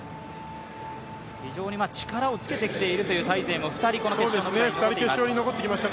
非常に力をつけてきているというタイ勢も２人この決勝に残っています。